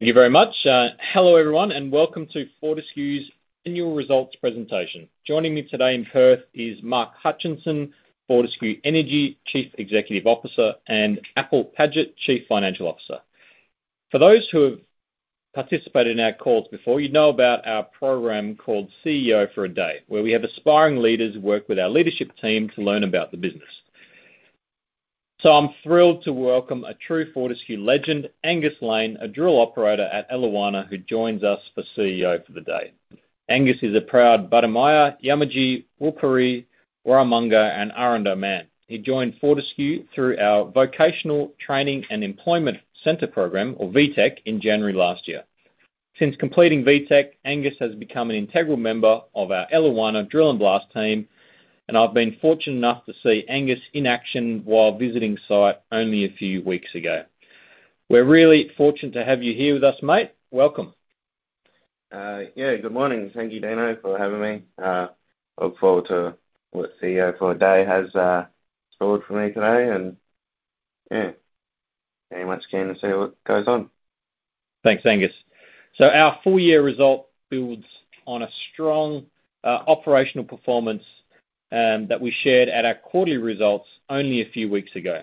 Thank you very much. Hello, everyone, and welcome to Fortescue's Annual Results presentation. Joining me today in Perth is Mark Hutchinson, Fortescue Energy Chief Executive Officer, and Apple Paget, Chief Financial Officer. For those who have participated in our calls before, you know about our program called CEO for a Day, where we have aspiring leaders work with our leadership team to learn about the business. So I'm thrilled to welcome a true Fortescue legend, Angus Lane, a drill operator at Eliwana, who joins us for CEO for the Day. Angus is a proud Badimaya, Yamatji, Wajarri, Warumungu, and Arrernte man. He joined Fortescue through our Vocational Training and Employment Centre program, or VTEC, in January last year. Since completing VTEC, Angus has become an integral member of our Eliwana drill and blast team, and I've been fortunate enough to see Angus in action while visiting site only a few weeks ago. We're really fortunate to have you here with us, mate. Welcome. Yeah, good morning. Thank you, Dino, for having me. Look forward to what CEO for a Day has stored for me today, and yeah, very much keen to see what goes on. Thanks, Angus. So our full year result builds on a strong, operational performance, that we shared at our quarterly results only a few weeks ago.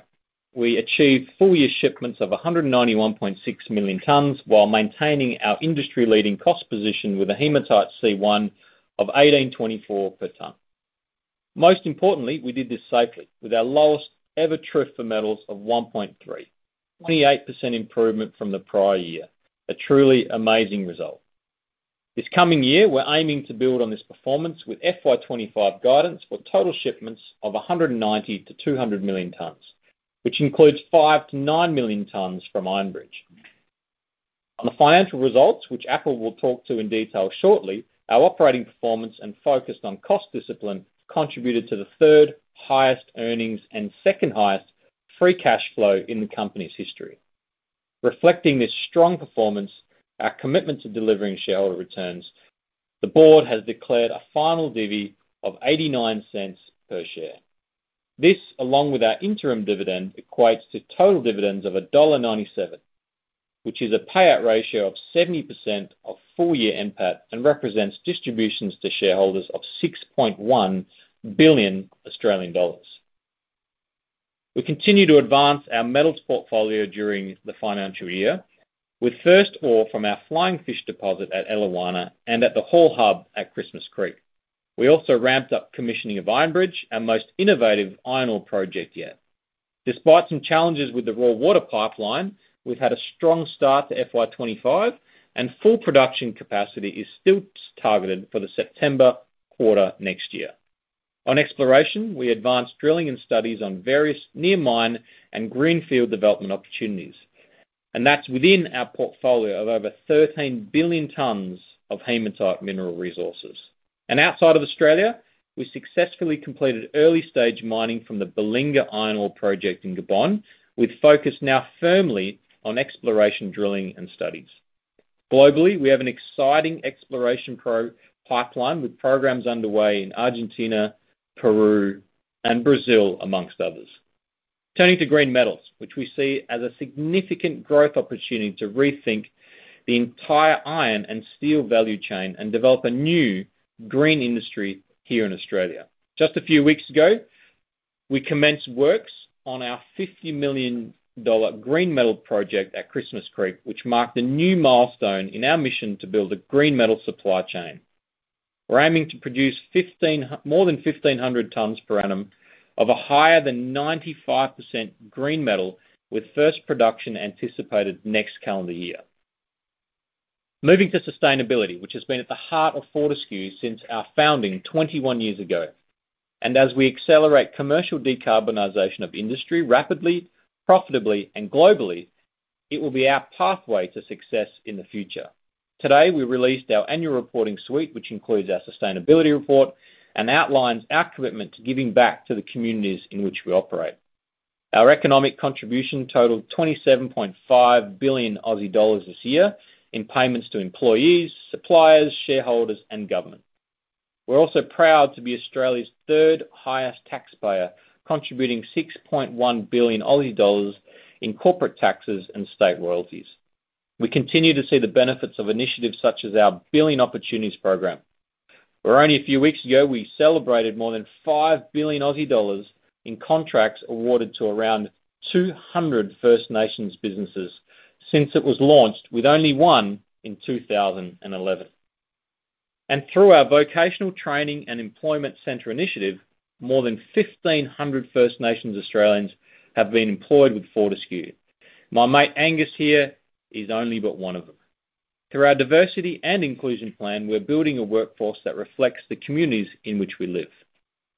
We achieved full year shipments of 191.6 million tons while maintaining our industry-leading cost position with a hematite C1 of 18.24 per ton. Most importantly, we did this safely with our lowest-ever TRIFR for metals of 1.3, 28% improvement from the prior year. A truly amazing result. This coming year, we're aiming to build on this performance with FY 2025 guidance for total shipments of 190-200 million tons, which includes 5-9 million tons from Iron Bridge. On the financial results, which Apple will talk to in detail shortly, our operating performance and focus on cost discipline contributed to the third-highest earnings and second-highest free cash flow in the company's history. Reflecting this strong performance, our commitment to delivering shareholder returns, the board has declared a final dividend of 0.89 per share. This, along with our interim dividend, equates to total dividends of dollar 1.97, which is a payout ratio of 70% of full-year NPAT and represents distributions to shareholders of 6.1 billion Australian dollars. We continue to advance our metals portfolio during the financial year, with first ore from our Flying Fish deposit at Eliwana and at the Hall Hub at Christmas Creek. We also ramped up commissioning of Iron Bridge, our most innovative iron ore project yet. Despite some challenges with the raw water pipeline, we've had a strong start to FY 2025, and full production capacity is still targeted for the September quarter next year. On exploration, we advanced drilling and studies on various near mine and greenfield development opportunities, and that's within our portfolio of over 13 billion tons of hematite mineral resources. Outside of Australia, we successfully completed early-stage mining from the Belinga Iron Ore Project in Gabon, with focus now firmly on exploration, drilling, and studies. Globally, we have an exciting exploration pipeline, with programs underway in Argentina, Peru, and Brazil, amongst others. Turning to green metals, which we see as a significant growth opportunity to rethink the entire iron and steel value chain and develop a new green industry here in Australia. Just a few weeks ago, we commenced works on our 50 million dollar green metal project at Christmas Creek, which marked a new milestone in our mission to build a green metal supply chain. We're aiming to produce more than 1,500 tons per annum of a higher than 95% green metal, with first production anticipated next calendar year. Moving to sustainability, which has been at the heart of Fortescue since our founding 21 years ago, and as we accelerate commercial decarbonization of industry rapidly, profitably, and globally, it will be our pathway to success in the future. Today, we released our annual reporting suite, which includes our sustainability report, and outlines our commitment to giving back to the communities in which we operate. Our economic contribution totaled 27.5 billion Aussie dollars this year in payments to employees, suppliers, shareholders, and government. We're also proud to be Australia's third-highest taxpayer, contributing 6.1 billion Aussie dollars in corporate taxes and state royalties. We continue to see the benefits of initiatives such as our Billion Opportunities program, where only a few weeks ago, we celebrated more than 5 billion Aussie dollars in contracts awarded to around 200 First Nations businesses since it was launched with only one in 2011. And through our Vocational Training and Employment Center initiative, more than 1,500 First Nations Australians have been employed with Fortescue. My mate, Angus, here is only but one of them. Through our diversity and inclusion plan, we're building a workforce that reflects the communities in which we live.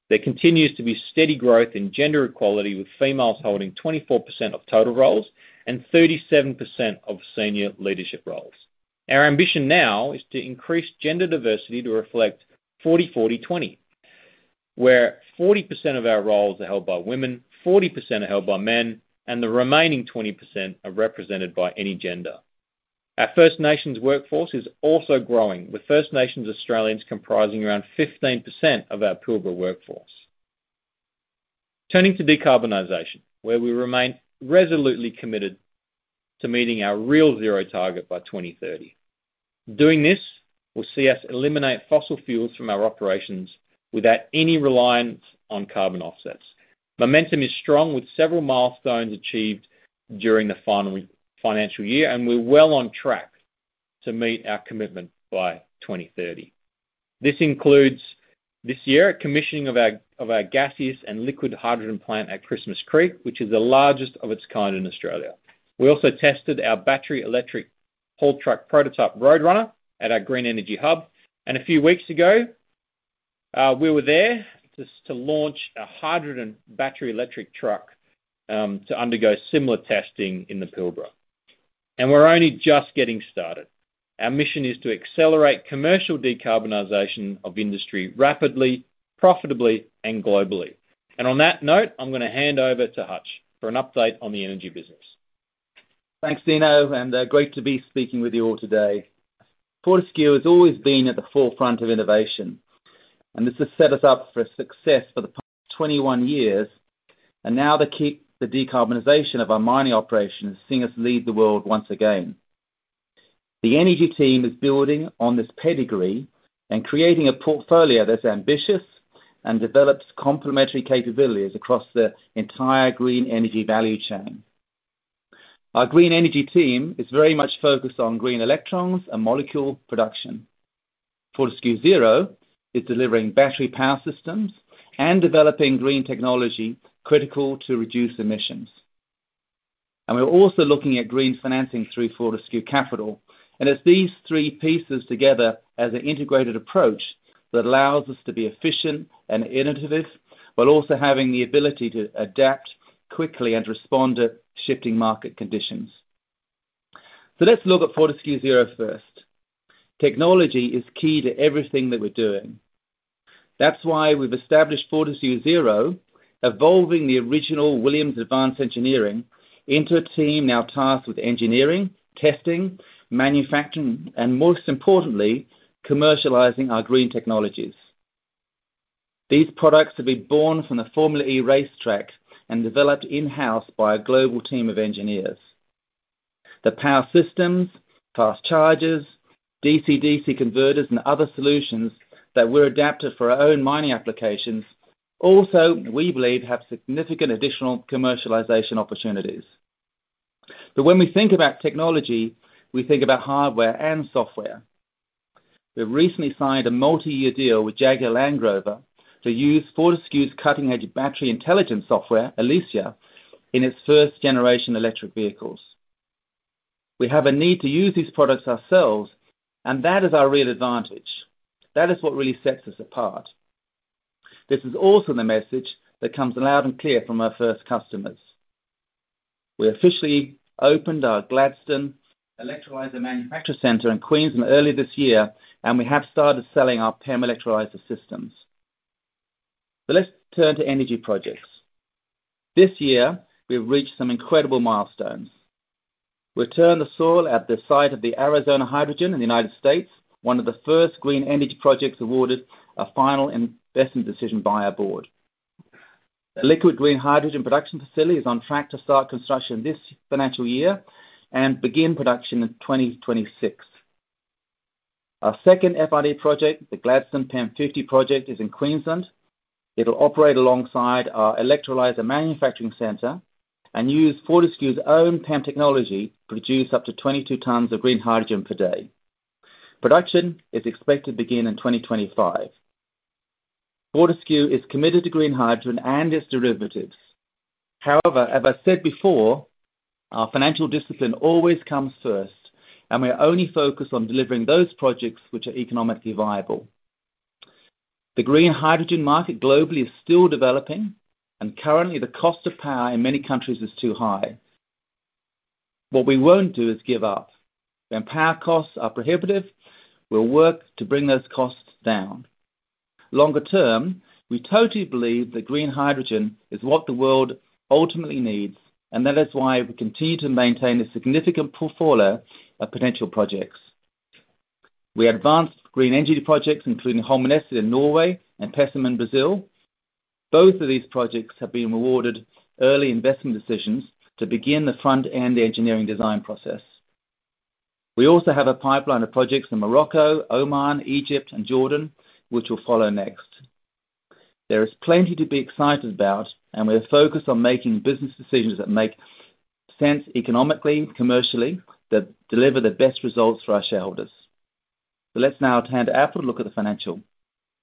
There continues to be steady growth in gender equality, with females holding 24% of total roles and 37% of senior leadership roles. Our ambition now is to increase gender diversity to reflect 40, 40, 20, where 40% of our roles are held by women, 40% are held by men, and the remaining 20% are represented by any gender. Our First Nations workforce is also growing, with First Nations Australians comprising around 15% of our Pilbara workforce. Turning to decarbonization, where we remain resolutely committed to meeting our Real Zero target by 2030. Doing this will see us eliminate fossil fuels from our operations without any reliance on carbon offsets. Momentum is strong, with several milestones achieved during the final financial year, and we're well on track to meet our commitment by 2030. This includes, this year, commissioning of our gaseous and liquid hydrogen plant at Christmas Creek, which is the largest of its kind in Australia. We also tested our battery electric haul truck prototype, Roadrunner, at our green energy hub. And a few weeks ago, we were there to launch a hydrogen battery electric truck to undergo similar testing in the Pilbara. And we're only just getting started. Our mission is to accelerate commercial decarbonization of industry rapidly, profitably, and globally. And on that note, I'm gonna hand over to Hutch for an update on the energy business. Thanks, Dino, and great to be speaking with you all today. Fortescue has always been at the forefront of innovation, and this has set us up for success for the past 21 years, and now the decarbonization of our mining operations, seeing us lead the world once again. The energy team is building on this pedigree and creating a portfolio that's ambitious and develops complementary capabilities across the entire green energy value chain. Our green energy team is very much focused on green electrons and molecule production. Fortescue Zero is delivering battery power systems and developing green technology critical to reduce emissions. We're also looking at green financing through Fortescue Capital. It's these three pieces together as an integrated approach that allows us to be efficient and innovative, while also having the ability to adapt quickly and respond to shifting market conditions. So let's look at Fortescue Zero first. Technology is key to everything that we're doing. That's why we've established Fortescue Zero, evolving the original Williams Advanced Engineering into a team now tasked with engineering, testing, manufacturing, and most importantly, commercializing our green technologies. These products have been born from the Formula E racetrack, and developed in-house by a global team of engineers. The power systems, fast chargers, DC-DC converters, and other solutions that were adapted for our own mining applications, also, we believe, have significant additional commercialization opportunities. But when we think about technology, we think about hardware and software. We've recently signed a multi-year deal with Jaguar Land Rover to use Fortescue's cutting-edge battery intelligence software, Elysia, in its first-generation electric vehicles. We have a need to use these products ourselves, and that is our real advantage. That is what really sets us apart. This is also the message that comes loud and clear from our first customers. We officially opened our Gladstone Electrolyser Manufacturing Centre in Queensland early this year, and we have started selling our PEM electrolyzer systems. So let's turn to energy projects. This year, we've reached some incredible milestones. We turned the soil at the site of the Arizona Hydrogen in the United States, one of the first green energy projects awarded a final investment decision by our board. A liquid green hydrogen production facility is on track to start construction this financial year and begin production in 2026. Our second FID project, the Gladstone PEM50 project, is in Queensland. It'll operate alongside our electrolyzer manufacturing center and use Fortescue's own PEM technology to produce up to 22 tons of green hydrogen per day. Production is expected to begin in 2025. Fortescue is committed to green hydrogen and its derivatives. However, as I said before, our financial discipline always comes first, and we are only focused on delivering those projects which are economically viable. The green hydrogen market globally is still developing, and currently the cost of power in many countries is too high. What we won't do is give up. When power costs are prohibitive, we'll work to bring those costs down. Longer term, we totally believe that green hydrogen is what the world ultimately needs, and that is why we continue to maintain a significant portfolio of potential projects. We advanced green energy projects, including Holmaneset in Norway and Pecém in Brazil. Both of these projects have been awarded early investment decisions to begin the front-end engineering design process. We also have a pipeline of projects in Morocco, Oman, Egypt, and Jordan, which will follow next. There is plenty to be excited about, and we're focused on making business decisions that make sense economically, commercially, that deliver the best results for our shareholders. So let's now turn to Apple to look at the financial.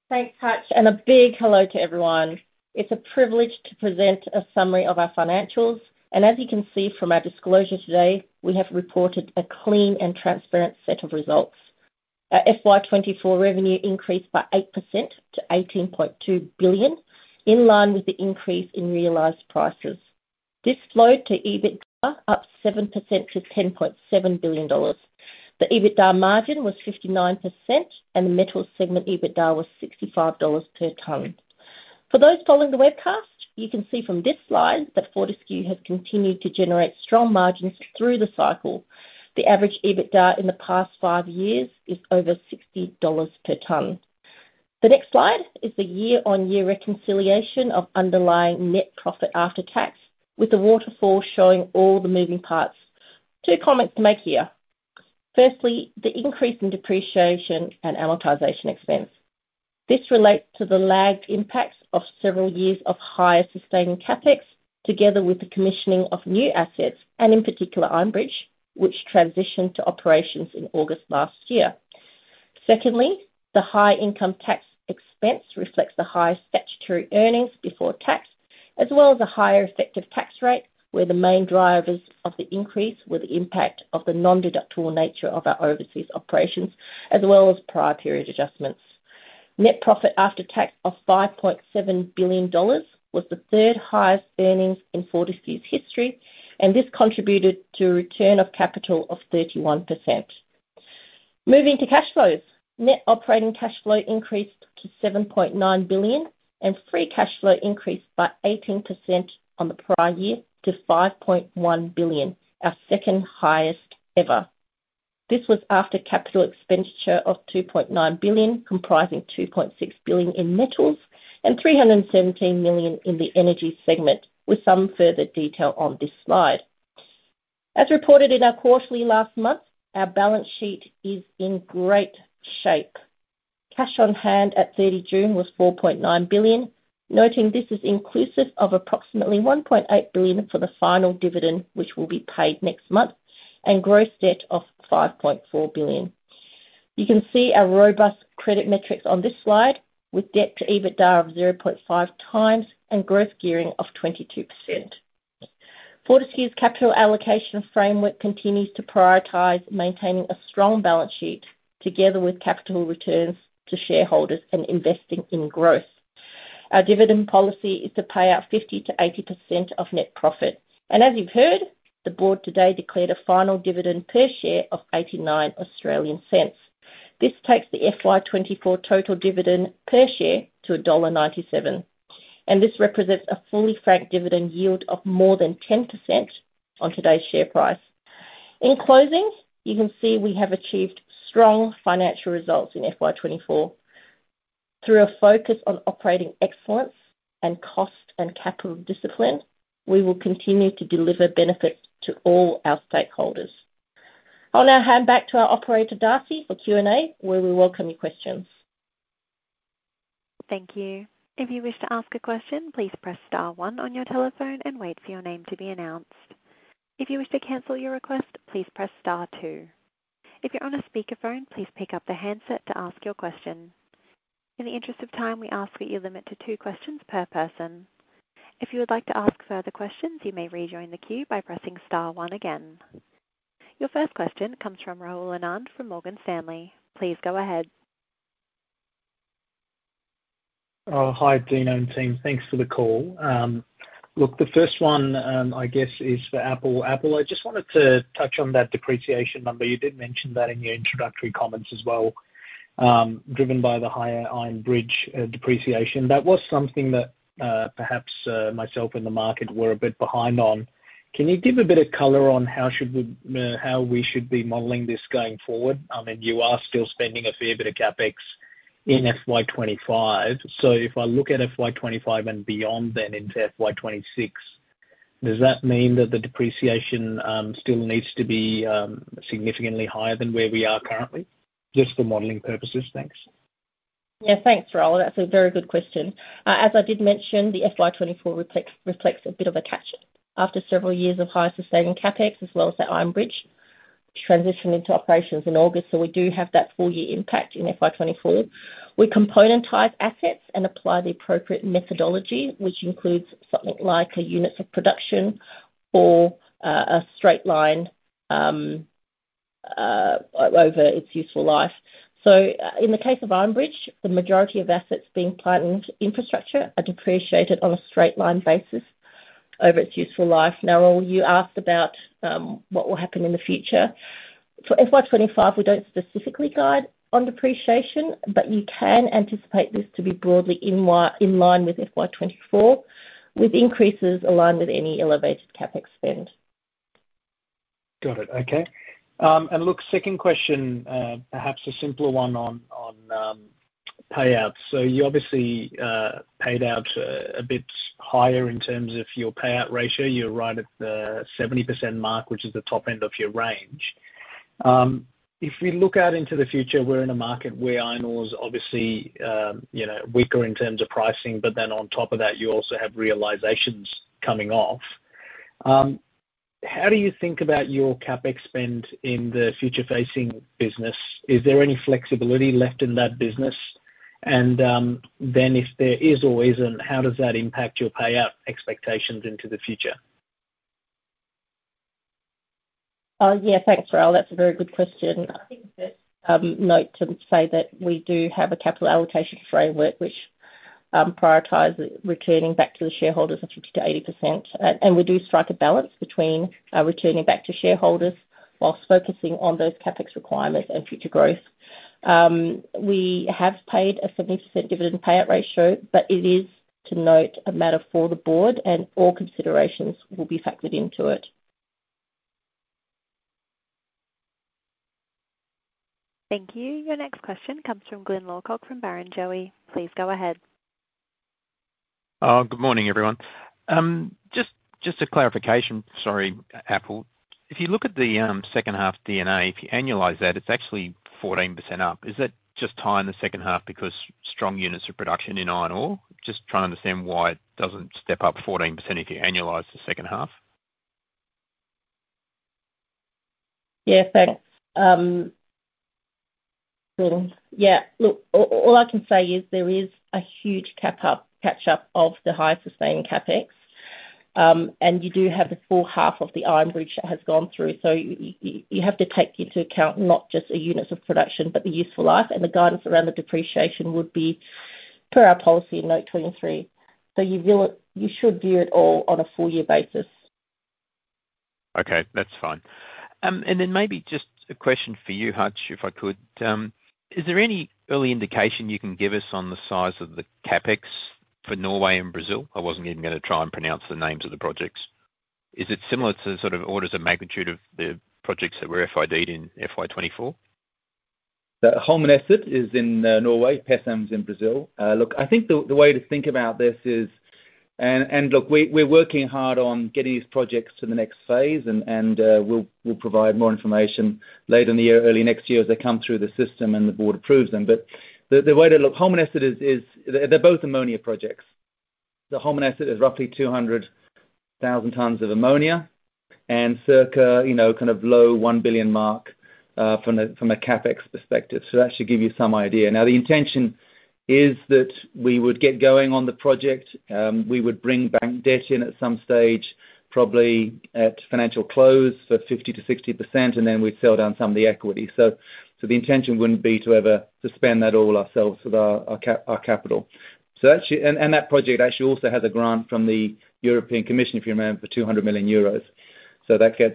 Thanks, Hutch, and a big hello to everyone. It's a privilege to present a summary of our financials, and as you can see from our disclosure today, we have reported a clean and transparent set of results. Our FY 2024 revenue increased by 8% to 18.2 billion, in line with the increase in realized prices. This flowed to EBITDA, up 7% to 10.7 billion dollars. The EBITDA margin was 59%, and the metal segment EBITDA was 65 dollars per ton. For those following the webcast, you can see from this slide that Fortescue has continued to generate strong margins through the cycle. The average EBITDA in the past five years is over 60 dollars per ton. The next slide is the year-on-year reconciliation of underlying net profit after tax, with the waterfall showing all the moving parts. Two comments to make here. Firstly, the increase in depreciation and amortization expense. This relates to the lagged impacts of several years of higher sustaining CapEx, together with the commissioning of new assets, and in particular, Iron Bridge, which transitioned to operations in August last year. Secondly, the high income tax expense reflects the highest statutory earnings before tax, as well as a higher effective tax rate, where the main drivers of the increase were the impact of the non-deductible nature of our overseas operations, as well as prior period adjustments. Net profit after tax of 5.7 billion dollars was the third highest earnings in Fortescue's history, and this contributed to a return of capital of 31%. Moving to cash flows. Net operating cash flow increased to 7.9 billion, and free cash flow increased by 18% on the prior year to 5.1 billion, our second highest ever. This was after capital expenditure of 2.9 billion, comprising 2.6 billion in metals and 317 million in the energy segment, with some further detail on this slide. As reported in our quarterly last month, our balance sheet is in great shape. Cash on hand at 30 June was 4.9 billion. Noting this is inclusive of approximately 1.8 billion for the final dividend, which will be paid next month, and gross debt of 5.4 billion. You can see our robust credit metrics on this slide, with debt to EBITDA of 0.5x and gross gearing of 22%. Fortescue's capital allocation framework continues to prioritize maintaining a strong balance sheet, together with capital returns to shareholders and investing in growth. Our dividend policy is to pay out 50%-80% of net profit, and as you've heard, the board today declared a final dividend per share of 0.89. This takes the FY 2024 total dividend per share to AUD 1.97, and this represents a fully franked dividend yield of more than 10% on today's share price. In closing, you can see we have achieved strong financial results in FY 2024. Through a focus on operating excellence and cost and capital discipline, we will continue to deliver benefits to all our stakeholders. I'll now hand back to our operator, Darcy, for Q&A, where we welcome your questions. Thank you. If you wish to ask a question, please press star one on your telephone and wait for your name to be announced. If you wish to cancel your request, please press star two. If you're on a speakerphone, please pick up the handset to ask your question. In the interest of time, we ask that you limit to two questions per person. If you would like to ask further questions, you may rejoin the queue by pressing star one again. Your first question comes from Rahul Anand from Morgan Stanley. Please go ahead. Hi, Dino and team. Thanks for the call. Look, the first one, I guess, is for Apple. Apple, I just wanted to touch on that depreciation number. You did mention that in your introductory comments as well, driven by the higher Iron Bridge depreciation. That was something that, perhaps, myself and the market were a bit behind on. Can you give a bit of color on how should we, how we should be modeling this going forward? I mean, you are still spending a fair bit of CapEx in FY 2025. So if I look at FY 2025 and beyond then into FY 2026, does that mean that the depreciation still needs to be significantly higher than where we are currently? Just for modeling purposes. Thanks. Yeah, thanks, Rahul. That's a very good question. As I did mention, the FY 2024 reflects a bit of a catch-up after several years of higher sustaining CapEx, as well as the Iron Bridge, which transitioned into operations in August, so we do have that full year impact in FY 2024. We componentize assets and apply the appropriate methodology, which includes something like a units of production or a straight line over its useful life. So, in the case of Iron Bridge, the majority of assets being plant and infrastructure are depreciated on a straight line basis over its useful life. Now, Rahul, you asked about what will happen in the future. For FY 2025, we don't specifically guide on depreciation, but you can anticipate this to be broadly in line with FY 2024, with increases aligned with any elevated CapEx spend. Got it. Okay. And look, second question, perhaps a simpler one on payouts. So you obviously paid out a bit higher in terms of your payout ratio. You're right at the 70% mark, which is the top end of your range. If we look out into the future, we're in a market where iron ore is obviously, you know, weaker in terms of pricing, but then on top of that, you also have realizations coming off. How do you think about your CapEx spend in the future-facing business? Is there any flexibility left in that business? And then if there is or isn't, how does that impact your payout expectations into the future? Yeah, thanks, Rahul. That's a very good question. I think, not to say that we do have a capital allocation framework which prioritizes returning back to the shareholders of 50%-80%. And we do strike a balance between returning back to shareholders while focusing on those CapEx requirements and future growth. We have paid a significant dividend payout ratio, but it is, to note, a matter for the board, and all considerations will be factored into it. Thank you. Your next question comes from Glyn Lawcock from Barrenjoey. Please go ahead. Good morning, everyone. Just a clarification, sorry, Apple. If you look at the second half EBITDA, if you annualize that, it's actually 14% up. Is that just high in the second half because strong units of production in iron ore? Just trying to understand why it doesn't step up 14% if you annualize the second half. Yeah, thanks, Glyn. Yeah, look, all I can say is there is a huge catch up of the high sustained CapEx, and you do have the full half of the Iron Bridge that has gone through. So you have to take into account not just the units of production, but the useful life, and the guidance around the depreciation would be per our policy in Note 23. So you should view it all on a full year basis. Okay, that's fine, and then maybe just a question for you, Hutch, if I could. Is there any early indication you can give us on the size of the CapEx for Norway and Brazil? I wasn't even gonna try and pronounce the names of the projects. Is it similar to the sort of orders of magnitude of the projects that were FID-ed in FY 2024? The Holmaneset is in Norway, Pecém is in Brazil. Look, I think the way to think about this is. And look, we're working hard on getting these projects to the next phase, and we'll provide more information later in the year, early next year, as they come through the system and the board approves them. But the way to look, Holmaneset is they're both ammonia projects. The Holmaneset is roughly 200,000 tons of ammonia and circa, you know, kind of low 1 billion mark, from a CapEx perspective. So that should give you some idea. Now, the intention is that we would get going on the project, we would bring bank debt in at some stage, probably at financial close for 50%-60%, and then we'd sell down some of the equity. So the intention wouldn't be to ever fund that all ourselves with our capital. So actually. And that project actually also has a grant from the European Commission for 200 million euros, so that goes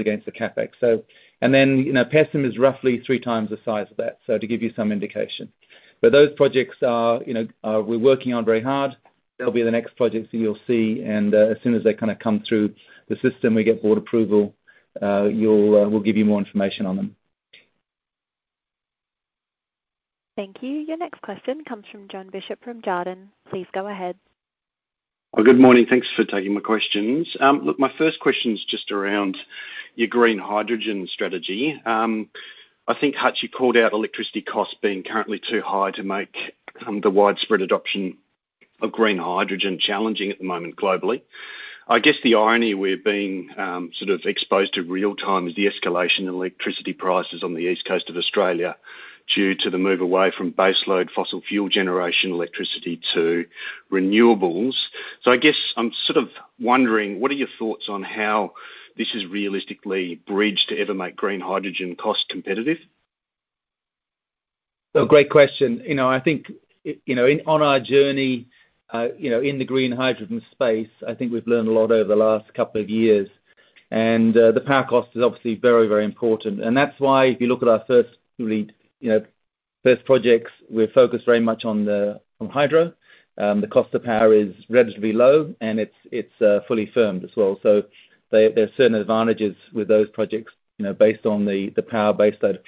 against the CapEx. So and then, you know, Pecém is roughly 3x the size of that, so to give you some indication. But those projects are, you know, we're working on very hard. They'll be the next projects that you'll see, and as soon as they kind of come through the system, we get board approval, you'll, we'll give you more information on them. Thank you. Your next question comes from Jon Bishop from Jarden. Please go ahead. Good morning. Thanks for taking my questions. Look, my first question is just around your green hydrogen strategy. I think, Hutch, you called out electricity costs being currently too high to make the widespread adoption of green hydrogen challenging at the moment globally. I guess the irony we're being sort of exposed to real time is the escalation in electricity prices on the east coast of Australia due to the move away from baseload fossil fuel generation electricity to renewables. So I guess I'm sort of wondering, what are your thoughts on how this is realistically bridged to ever make green hydrogen cost competitive? So great question. You know, I think you know, on our journey, you know, in the green hydrogen space, I think we've learned a lot over the last couple of years. And the power cost is obviously very, very important, and that's why if you look at our first really, you know, first projects, we're focused very much on hydro. The cost of power is relatively low, and it's fully firmed as well. So there are certain advantages with those projects, you know, based on the power baseload.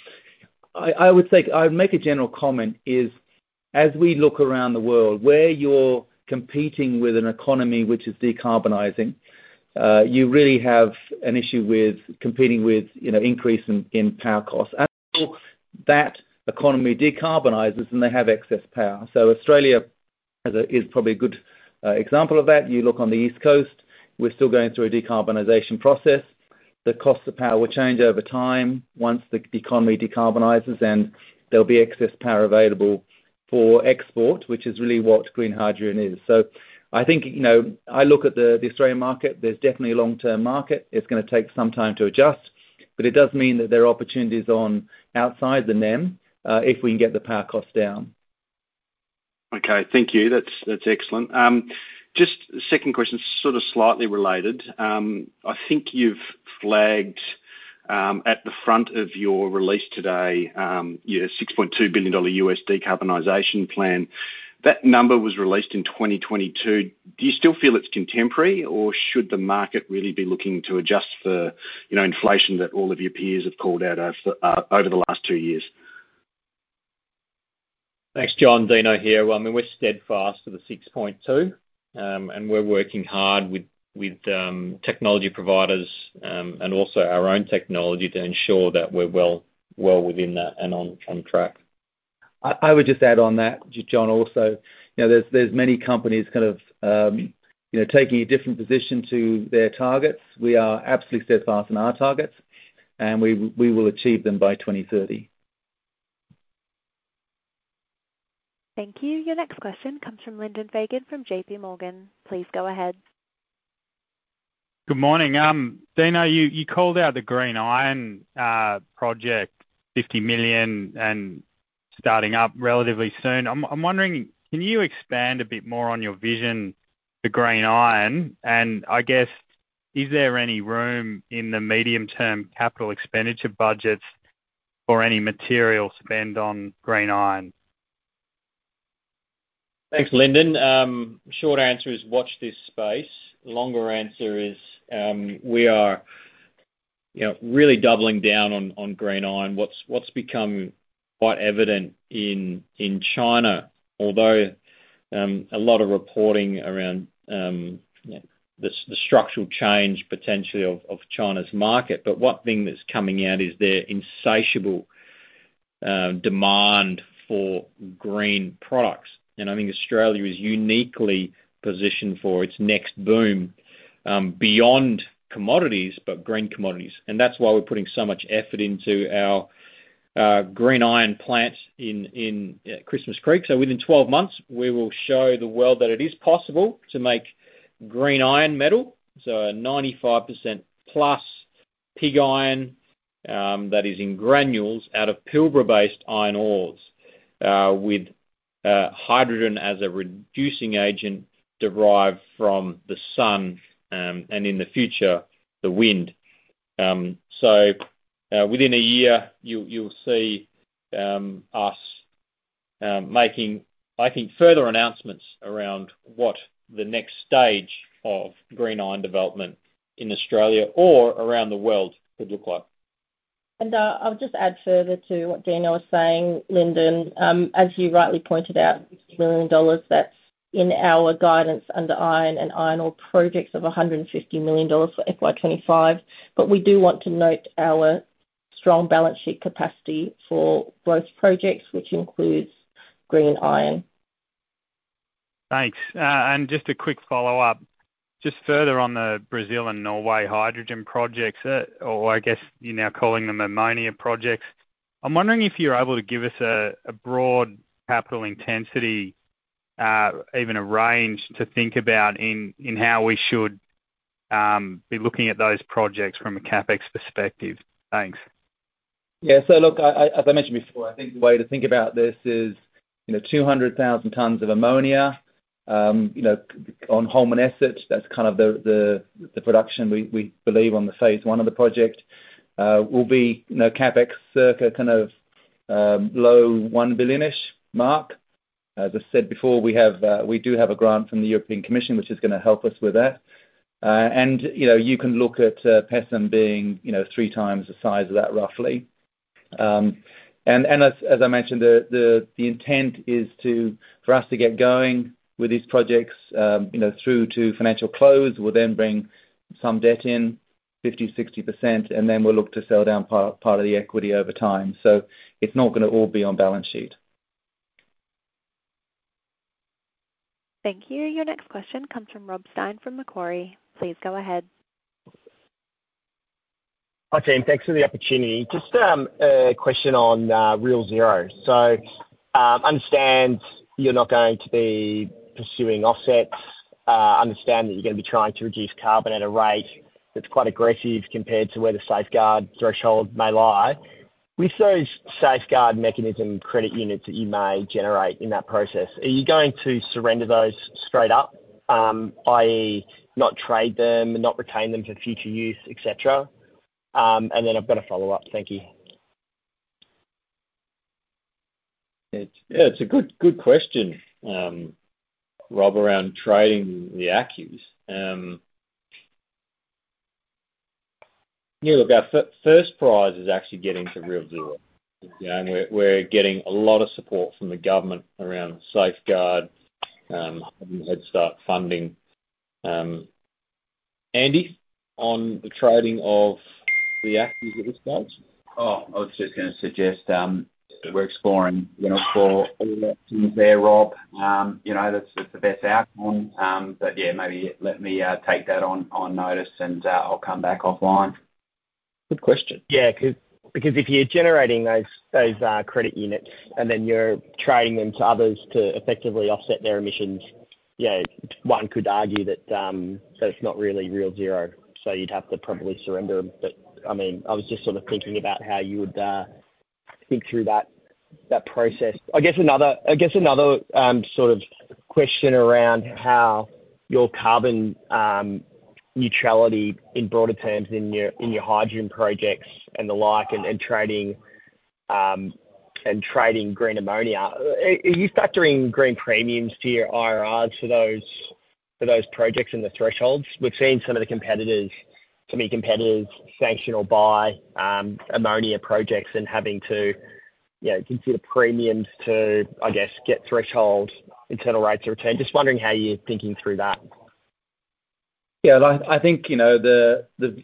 I would say, I would make a general comment is, as we look around the world, where you're competing with an economy which is decarbonizing, you really have an issue with competing with, you know, increase in power costs. After that, economy decarbonizes, and they have excess power. So Australia as a is probably a good example of that. You look on the East Coast, we're still going through a decarbonization process. The cost of power will change over time once the economy decarbonizes, and there'll be excess power available for export, which is really what green hydrogen is. So I think, you know, I look at the Australian market, there's definitely a long-term market. It's gonna take some time to adjust, but it does mean that there are opportunities outside the NEM if we can get the power costs down. Okay. Thank you. That's, that's excellent. Just second question, sort of slightly related. I think you've flagged, at the front of your release today, your 6.2 billion dollar U.S. decarbonization plan. That number was released in 2022. Do you still feel it's contemporary, or should the market really be looking to adjust for, you know, inflation that all of your peers have called out over the last two years? Thanks, John. Dino here. Well, I mean, we're steadfast to the 6.2 billion, and we're working hard with technology providers, and also our own technology to ensure that we're well within that and on track. I would just add on that, Jon, also, you know, there's many companies kind of, you know, taking a different position to their targets. We are absolutely steadfast in our targets, and we will achieve them by 2030. Thank you. Your next question comes from Lyndon Fagan, from JPMorgan. Please go ahead. Good morning. Dino, you called out the Green Iron project, 50 million and starting up relatively soon. I'm wondering, can you expand a bit more on your vision for Green Iron? And I guess, is there any room in the medium-term capital expenditure budgets for any material spend on Green Iron? Thanks, Lyndon. Short answer is watch this space. Longer answer is, we are, you know, really doubling down on green iron. What's become quite evident in China, although a lot of reporting around, you know, the structural change potentially of China's market, but one thing that's coming out is their insatiable demand for green products. And I think Australia is uniquely positioned for its next boom, beyond commodities, but green commodities. And that's why we're putting so much effort into our Green Iron plant in Christmas Creek. Within 12 months, we will show the world that it is possible to make green iron metal, so a 95%+ pig iron, that is in granules out of Pilbara-based iron ores, with hydrogen as a reducing agent derived from the sun, and in the future, the wind. Within a year, you'll see us making, I think, further announcements around what the next stage of green iron development in Australia or around the world could look like. I'll just add further to what Dino was saying, Lyndon. As you rightly pointed out, 60 million dollars, that's in our guidance under iron and iron ore projects of 150 million dollars for FY 2025. We do want to note our strong balance sheet capacity for both projects, which includes Green Iron. Thanks. And just a quick follow-up, just further on the Brazil and Norway hydrogen projects, or I guess you're now calling them ammonia projects. I'm wondering if you're able to give us a broad capital intensity, even a range to think about in how we should be looking at those projects from a CapEx perspective. Thanks. Yeah, so look, as I mentioned before, I think the way to think about this is, you know, 200,000 tons of ammonia, you know, on Holmaneset, that's kind of the production we believe on the phase one of the project, will be, you know, CapEx circa kind of, low 1 billion-ish mark. As I said before, we have, we do have a grant from the European Commission, which is gonna help us with that. And, you know, you can look at, Pecém being, you know, three times the size of that, roughly. And as I mentioned, the intent is to, for us to get going with these projects, you know, through to financial close. We'll then bring some debt in 50%-60%, and then we'll look to sell down part, part of the equity over time. So it's not gonna all be on balance sheet. Thank you. Your next question comes from Rob Stein from Macquarie. Please go ahead. Hi, team. Thanks for the opportunity. Just a question on Real Zero. So understand you're not going to be pursuing offsets. Understand that you're gonna be trying to reduce carbon at a rate that's quite aggressive compared to where the Safeguard Mechanism threshold may lie. With those Safeguard Mechanism credit units that you may generate in that process, are you going to surrender those straight up, i.e., not trade them and not retain them for future use, et cetera? And then I've got a follow-up. Thank you. It's, yeah, it's a good, good question, Rob, around trading the ACCUs. Yeah, look, our first prize is actually getting to Real Zero, and we're getting a lot of support from the government around Safeguard, Headstart funding. And, on the trading of the ACCUs at this stage? Oh, I was just gonna suggest we're exploring, you know, for all options there, Rob. You know, that's the best outcome. But yeah, maybe let me take that on notice, and I'll come back offline. Good question. Yeah, because if you're generating those credit units and then you're trading them to others to effectively offset their emissions, yeah, one could argue that, so it's not really Real Zero, so you'd have to probably surrender them. But I mean, I was just sort of thinking about how you would think through that process. I guess another sort of question around how your carbon neutrality in broader terms in your hydrogen projects and the like, and trading Green Ammonia. Are you factoring green premiums to your IRRs for those projects and the thresholds? We've seen some of the competitors sanction or buy ammonia projects and having to, you know, consider premiums to, I guess, get thresholds, internal rates of return. Just wondering how you're thinking through that. Yeah, I think, you know,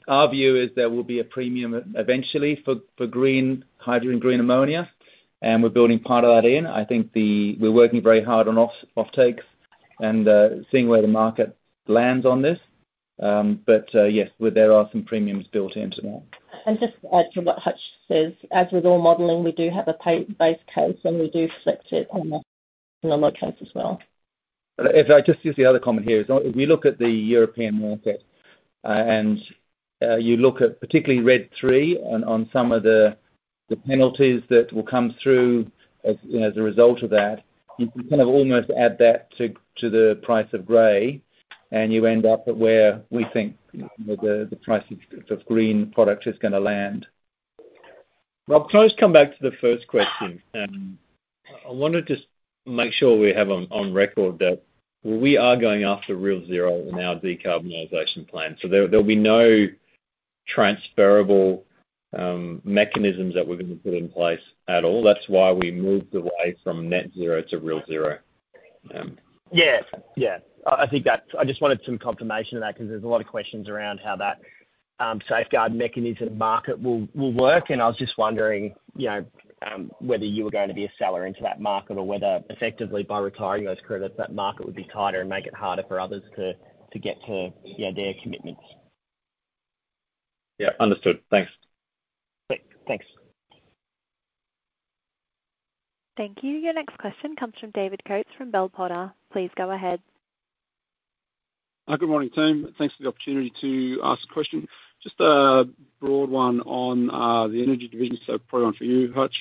our view is there will be a premium eventually for green hydrogen, green ammonia, and we're building part of that in. I think we're working very hard on offtakes and seeing where the market lands on this. But yes, there are some premiums built into that. Just to add to what Hutch says, as with all modeling, we do have a base case, and we do flex it on the normal case as well. If I just use the other comment here, as long as we look at the European market, and you look at particularly RED III on some of the penalties that will come through as a result of that, you can kind of almost add that to the price of gray, and you end up at where we think the price of green product is gonna land. Rob, can I just come back to the first question? I wanted to make sure we have on record that we are going after Real Zero in our decarbonization plan, so there'll be no transferable mechanisms that we're going to put in place at all. That's why we moved away from net zero to Real Zero. Yeah, yeah. I think that's. I just wanted some confirmation of that, 'cause there's a lot of questions around how that Safeguard Mechanism market will work. And I was just wondering, you know, whether you were going to be a seller into that market, or whether effectively by retiring those credits, that market would be tighter and make it harder for others to get to, yeah, their commitments. Yeah, understood. Thanks. Thanks. Thank you. Your next question comes from David Coates from Bell Potter. Please go ahead. Good morning, team. Thanks for the opportunity to ask a question. Just a broad one on the energy division, so probably one for you, Hutch.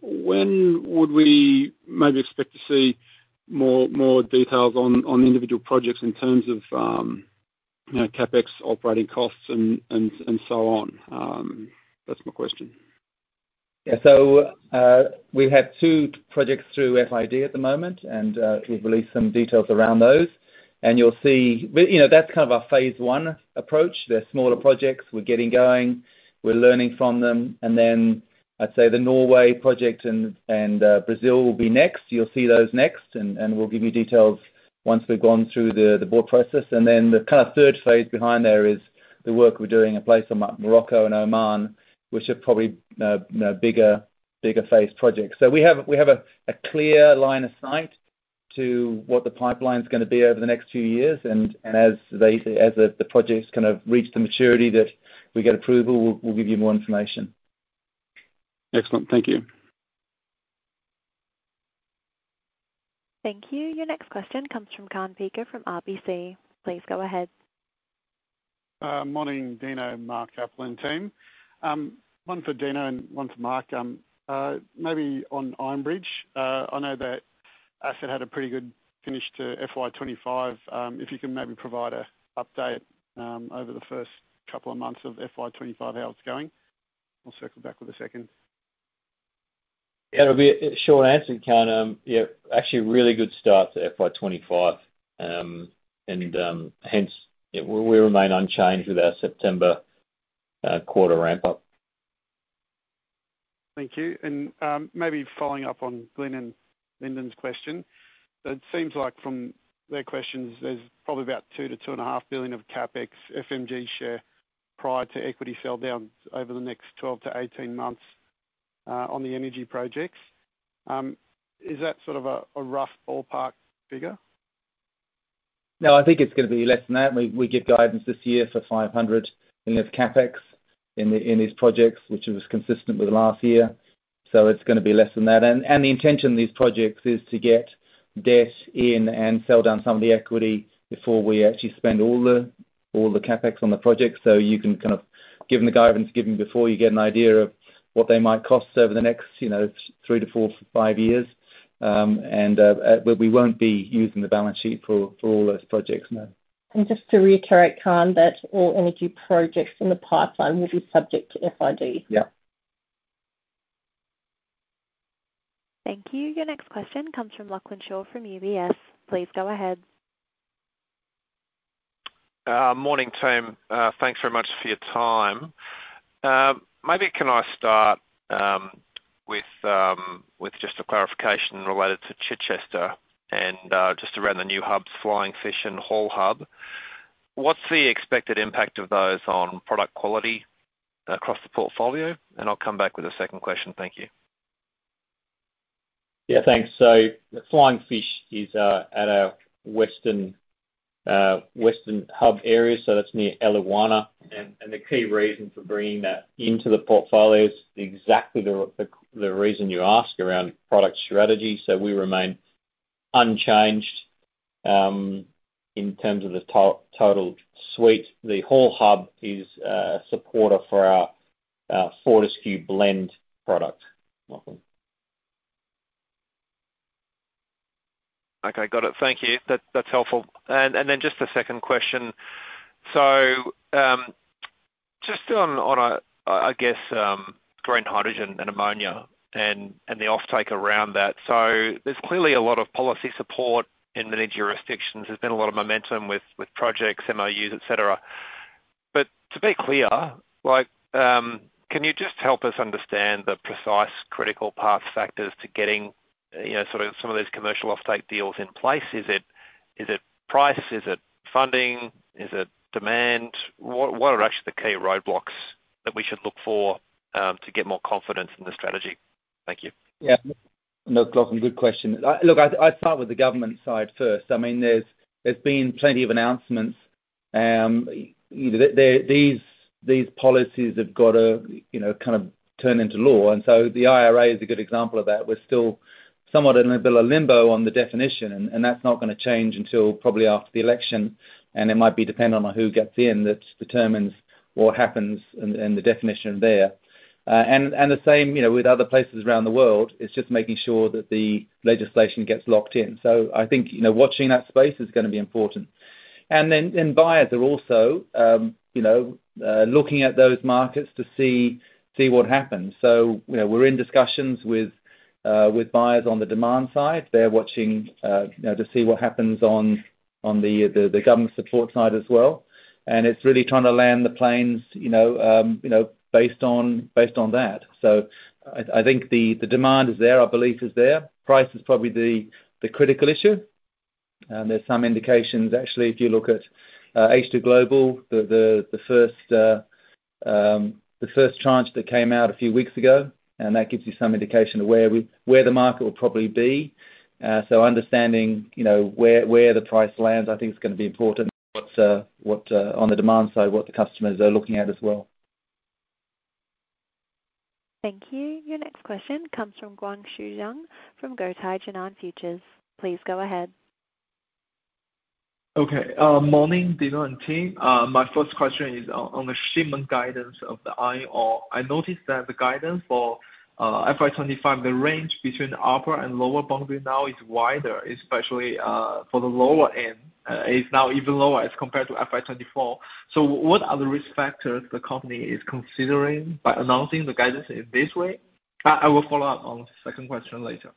When would we maybe expect to see more details on individual projects in terms of, you know, CapEx, operating costs, and so on? That's my question. Yeah. So, we have two projects through FID at the moment, and we've released some details around those. And you'll see. We, you know, that's kind of our phase one approach. They're smaller projects. We're getting going, we're learning from them, and then I'd say the Norway project and Brazil will be next. You'll see those next, and we'll give you details once we've gone through the board process. And then the kind of third phase behind there is the work we're doing in places like Morocco and Oman, which are probably, you know, bigger phase projects. So we have a clear line of sight to what the pipeline's gonna be over the next few years. As the projects kind of reach the maturity that we get approval, we'll give you more information. Excellent. Thank you. Thank you. Your next question comes from Kaan Peker from RBC. Please go ahead. Morning, Dino and Mark, capital team. One for Dino and one for Mark. Maybe on Iron Bridge. I know that asset had a pretty good finish to FY 2025. If you can maybe provide a update over the first couple of months of FY 2025, how it's going. I'll circle back with a second. It'll be a short answer, Kaan. Yeah, actually a really good start to FY 2025, and hence, yeah, we remain unchanged with our September quarter ramp up. Thank you. Maybe following up on Glyn and Lyndon's question, so it seems like from their questions, there's probably about 2 billion-2.5 billion of CapEx FMG share prior to equity sell-down over the next 12-18 months, on the energy projects. Is that sort of a rough ballpark figure? No, I think it's gonna be less than that. We give guidance this year for 500 million in this CapEx in these projects, which is consistent with last year. So it's gonna be less than that. And the intention of these projects is to get debt in and sell down some of the equity before we actually spend all the CapEx on the project. So you can kind of, given the guidance given before, you get an idea of what they might cost over the next, you know, three to four, five years. But we won't be using the balance sheet for all those projects, no. Just to reiterate, Kaan, that all energy projects in the pipeline will be subject to FID. Yeah. Thank you. Your next question comes from Lachlan Shaw from UBS. Please go ahead. Morning, team. Thanks very much for your time. Maybe can I start with just a clarification related to Chichester and just around the new hubs, Flying Fish and Hall Hub. What's the expected impact of those on product quality across the portfolio? And I'll come back with a second question. Thank you. Yeah, thanks. So the Flying Fish is at our western hub area, so that's near Eliwana. And the key reason for bringing that into the portfolio is exactly the reason you ask around product strategy. So we remain unchanged in terms of the total suite. The Hall Hub is a supporter for our Fortescue blend product, Lachlan. Okay, got it. Thank you. That's helpful. And then just a second question. So, just on a I guess green hydrogen and ammonia and the offtake around that. So there's clearly a lot of policy support in many jurisdictions. There's been a lot of momentum with projects, MOUs, et cetera. But to be clear, like, can you just help us understand the precise critical path factors to getting, you know, sort of some of those commercial offtake deals in place? Is it price? Is it funding? Is it demand? What are actually the key roadblocks that we should look for to get more confidence in the strategy? Thank you. Yeah. Look, Lachlan, good question. Look, I, I'd start with the government side first. I mean, there's been plenty of announcements. You know, these policies have got to, you know, kind of turn into law, and so the IRA is a good example of that. We're still somewhat in a bit of limbo on the definition, and that's not gonna change until probably after the election, and it might be dependent on who gets in that determines what happens and the definition there. And the same, you know, with other places around the world, it's just making sure that the legislation gets locked in. So I think, you know, watching that space is gonna be important. And then, and buyers are also, you know, looking at those markets to see what happens. So, you know, we're in discussions with buyers on the demand side. They're watching, you know, to see what happens on the government support side as well. And it's really trying to land the planes, you know, based on that. So I think the demand is there, our belief is there. Price is probably the critical issue, and there's some indications actually, if you look at H2Global, the first tranche that came out a few weeks ago, and that gives you some indication of where the market will probably be. So understanding, you know, where the price lands, I think is gonna be important. What on the demand side, what the customers are looking at as well. Thank you. Your next question comes from Guangshuo Zhang from Guotai Junan Futures. Please go ahead. Okay, morning, Dino and team. My first question is on the shipment guidance of the iron ore. I noticed that the guidance for FY 2025, the range between the upper and lower boundary now is wider, especially for the lower end, is now even lower as compared to FY 2024. So what are the risk factors the company is considering by announcing the guidance in this way? I will follow up on the second question later.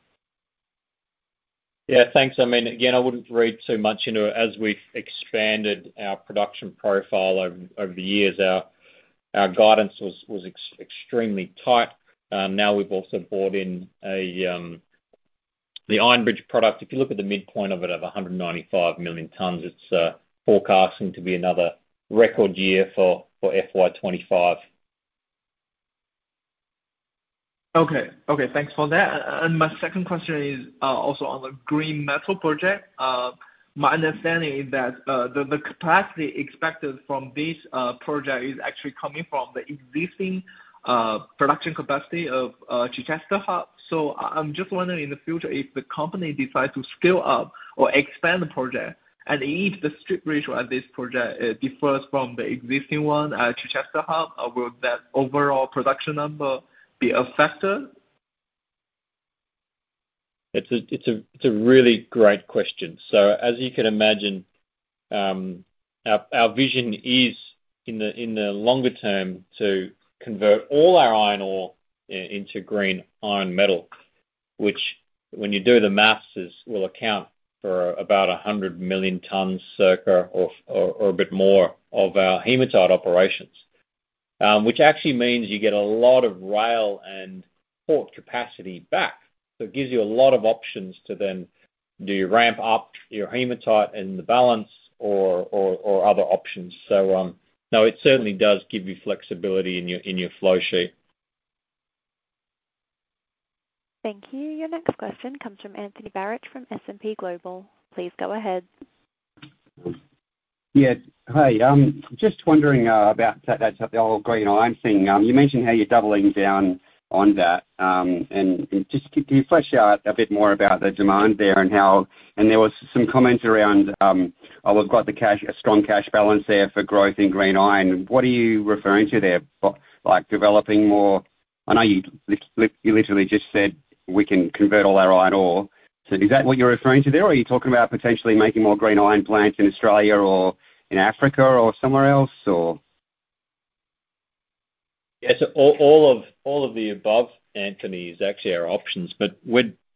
Yeah, thanks. I mean, again, I wouldn't read too much into it. As we've expanded our production profile over the years, our guidance was extremely tight. Now we've also brought in the Iron Bridge product. If you look at the midpoint of it of 195 million tons, it's forecasting to be another record year for FY 2025. Okay. Okay, thanks for that, and my second question is, also on the Green Metal project. My understanding is that, the capacity expected from this project is actually coming from the existing production capacity of Chichester Hub. So I'm just wondering, in the future, if the company decides to scale up or expand the project, and if the strip ratio at this project differs from the existing one at Chichester Hub, will that overall production number be affected? It's a really great question. So as you can imagine, our vision is, in the longer term, to convert all our iron ore into green iron metal, which, when you do the math, will account for about a 100 million tons circa or a bit more of our hematite operations. Which actually means you get a lot of rail and port capacity back, so it gives you a lot of options to then do you ramp up your hematite and the balance or other options. No, it certainly does give you flexibility in your flow sheet. Thank you. Your next question comes from Anthony Barich, from S&P Global. Please go ahead. Yeah. Hi, just wondering about that, the whole green iron thing. You mentioned how you're doubling down on that, and just can you flesh out a bit more about the demand there and how. And there was some comments around, we've got the cash, a strong cash balance there for growth in green iron. What are you referring to there? Like developing more. I know you literally just said we can convert all our iron ore. So is that what you're referring to there, or are you talking about potentially making more green iron plants in Australia or in Africa, or somewhere else, or? Yes, so all of the above, Anthony, is actually our options. But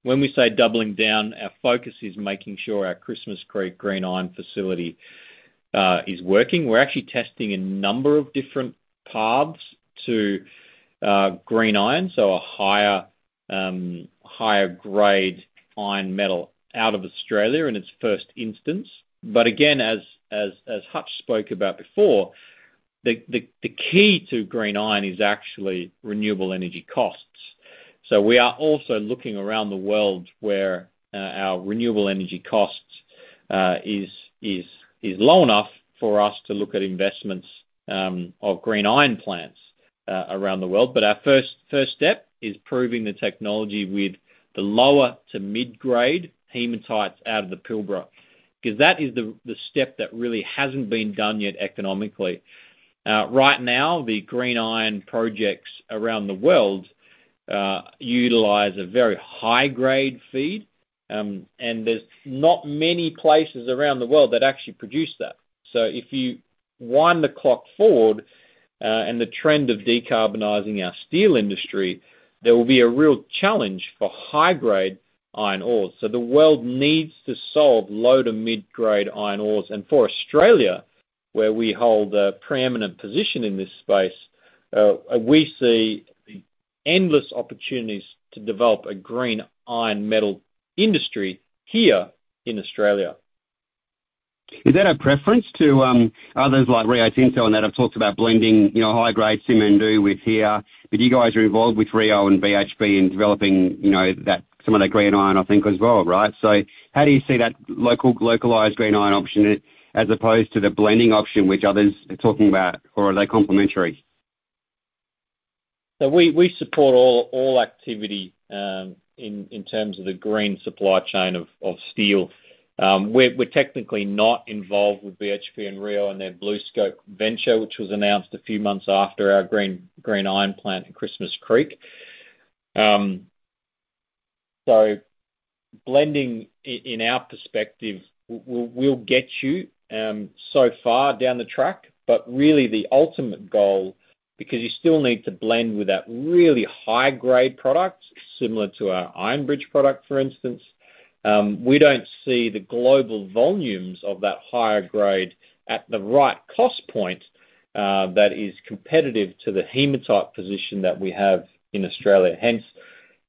when we say doubling down, our focus is making sure our Christmas Creek green iron facility is working. We're actually testing a number of different paths to green iron, so a higher grade iron metal out of Australia in its first instance. But again, as Hutch spoke about before, the key to green iron is actually renewable energy costs. So we are also looking around the world where our renewable energy costs is low enough for us to look at investments of green iron plants around the world. But our first step is proving the technology with the lower to mid-grade hematites out of the Pilbara, 'cause that is the step that really hasn't been done yet economically. Right now, the green iron projects around the world utilize a very high-grade feed, and there's not many places around the world that actually produce that. So if you wind the clock forward and the trend of decarbonizing our steel industry, there will be a real challenge for high-grade iron ore. So the world needs to solve low to mid-grade iron ores. And for Australia, where we hold a preeminent position in this space, we see endless opportunities to develop a green iron metal industry here in Australia. Is that a preference to others like Rio Tinto and that have talked about blending, you know, high-grade Simandou with here? But you guys are involved with Rio and BHP in developing, you know, that, some of that green iron, I think, as well, right? So how do you see that localized green iron option as opposed to the blending option, which others are talking about, or are they complementary? So we support all activity in terms of the green supply chain of steel. We're technically not involved with BHP and Rio and their BlueScope venture, which was announced a few months after our green iron plant in Christmas Creek. So blending in our perspective will get you so far down the track, but really the ultimate goal, because you still need to blend with that really high-grade product, similar to our Iron Bridge product, for instance, we don't see the global volumes of that higher grade at the right cost point that is competitive to the hematite position that we have in Australia. Hence,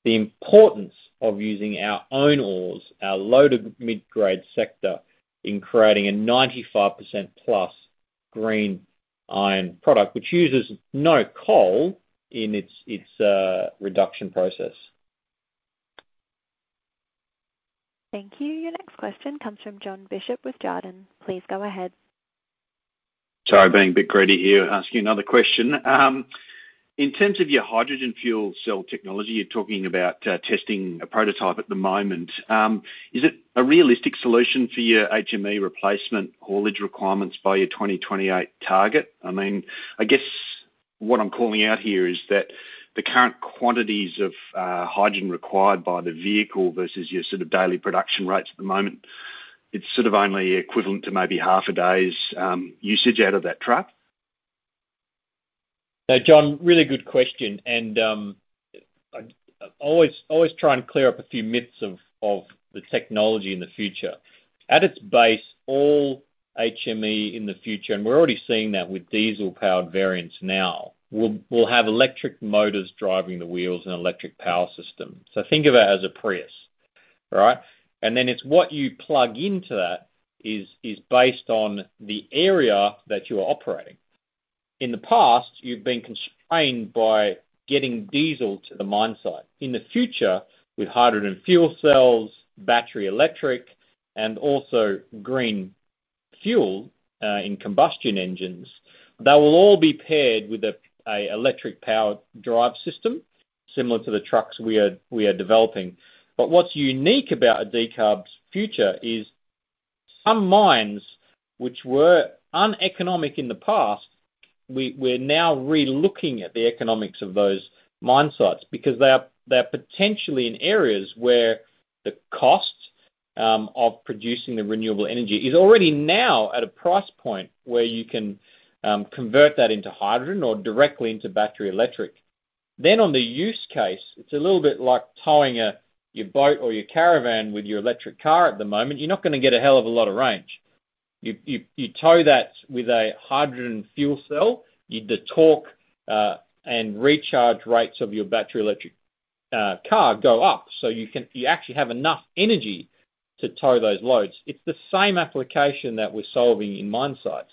the importance of using our own ores, our loaded mid-grade sector, in creating a 95%+ green iron product, which uses no coal in its reduction process. Thank you. Your next question comes from Jon Bishop with Jarden. Please go ahead. Sorry, being a bit greedy here, asking another question. In terms of your hydrogen fuel cell technology, you're talking about testing a prototype at the moment. Is it a realistic solution for your HME replacement haulage requirements by your 2028 target? I mean, I guess what I'm calling out here is that the current quantities of hydrogen required by the vehicle versus your sort of daily production rates at the moment, it's sort of only equivalent to maybe half a day's usage out of that truck. John, really good question, and I always try and clear up a few myths of the technology in the future. At its base, all HME in the future, and we're already seeing that with diesel-powered variants now, will have electric motors driving the wheels and electric power system. So think of it as a Prius, right? And then it's what you plug into that is based on the area that you are operating. In the past, you've been constrained by getting diesel to the mine site. In the future, with hydrogen fuel cells, battery electric, and also green fuel in combustion engines, they will all be paired with a electric powered drive system, similar to the trucks we are developing. But what's unique about a decarb's future is some mines which were uneconomic in the past. We're now re-looking at the economics of those mine sites because they are potentially in areas where the cost of producing the renewable energy is already now at a price point where you can convert that into hydrogen or directly into battery electric. Then, on the use case, it's a little bit like towing your boat or your caravan with your electric car at the moment. You're not gonna get a hell of a lot of range. You tow that with a hydrogen fuel cell, the torque and recharge rates of your battery electric car go up, so you can actually have enough energy to tow those loads. It's the same application that we're solving in mine sites.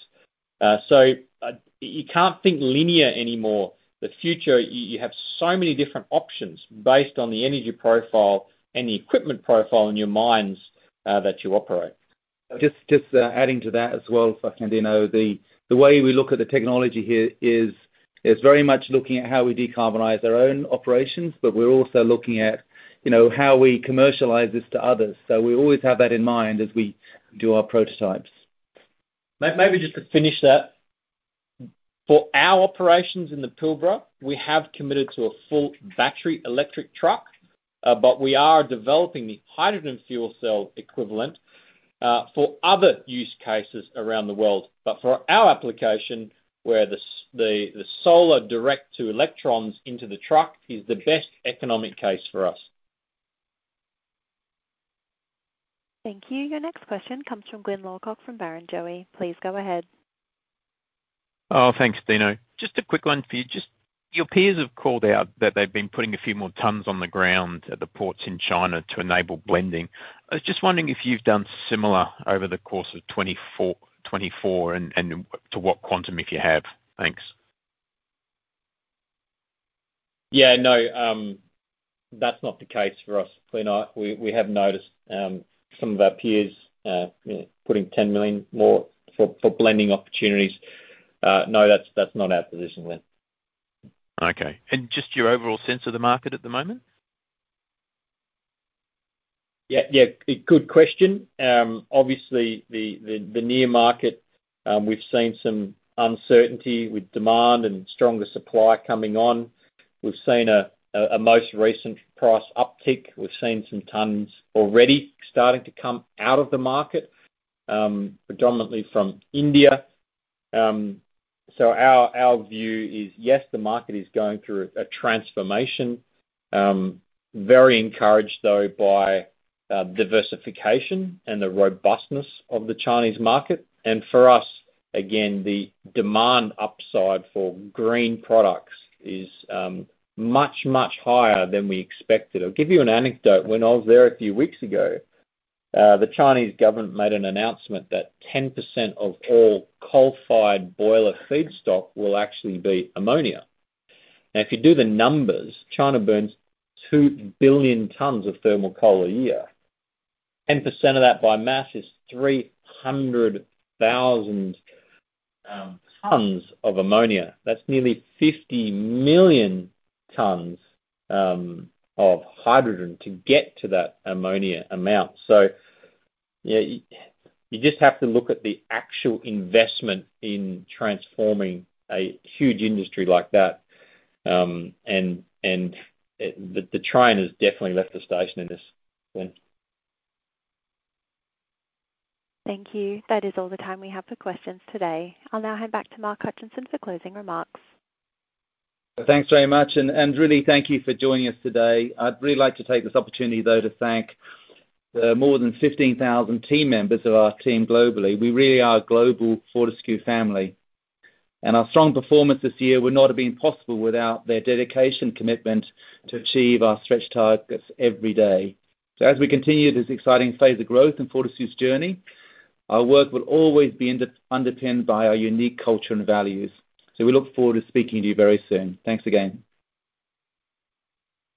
You can't think linear anymore. The future, you have so many different options based on the energy profile and the equipment profile in your mines that you operate. Just adding to that as well, Dino, the way we look at the technology here is very much looking at how we decarbonize our own operations, but we're also looking at, you know, how we commercialize this to others. So we always have that in mind as we do our prototypes. Maybe just to finish that, for our operations in the Pilbara, we have committed to a full battery electric truck, but we are developing the hydrogen fuel cell equivalent, for other use cases around the world. But for our application, where the solar direct to electrons into the truck is the best economic case for us. Thank you. Your next question comes from Glyn Lawcock from Barrenjoey. Please go ahead. Oh, thanks, Dino. Just a quick one for you. Just, your peers have called out that they've been putting a few more tons on the ground at the ports in China to enable blending. I was just wondering if you've done similar over the course of 2024, and to what quantum, if you have? Thanks. Yeah, no, that's not the case for us, Glyn. We have noticed some of our peers, you know, putting 10 million more for blending opportunities. No, that's not our position, Glyn. Okay, and just your overall sense of the market at the moment? Yeah, yeah, a good question. Obviously, the near market, we've seen some uncertainty with demand and stronger supply coming on. We've seen a most recent price uptick. We've seen some tons already starting to come out of the market, predominantly from India. So our view is, yes, the market is going through a transformation. Very encouraged though by diversification and the robustness of the Chinese market. And for us, again, the demand upside for green products is much, much higher than we expected. I'll give you an anecdote. When I was there a few weeks ago, the Chinese government made an announcement that 10% of all coal-fired boiler feedstock will actually be ammonia. Now, if you do the numbers, China burns 2 billion tons of thermal coal a year. 10% of that by mass is 300,000 tons of ammonia. That's nearly 50 million tons of hydrogen to get to that ammonia amount. So yeah, you just have to look at the actual investment in transforming a huge industry like that, and the train has definitely left the station in this one. Thank you. That is all the time we have for questions today. I'll now hand back to Mark Hutchinson for closing remarks. Thanks very much, and really thank you for joining us today. I'd really like to take this opportunity, though, to thank the more than 15,000 team members of our team globally. We really are a global Fortescue family, and our strong performance this year would not have been possible without their dedication, commitment to achieve our stretch targets every day. So as we continue this exciting phase of growth in Fortescue's journey, our work will always be underpinned by our unique culture and values. So we look forward to speaking to you very soon. Thanks again.